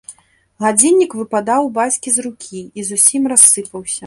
Гадзіннік выпадаў у бацькі з рукі і зусім рассыпаўся.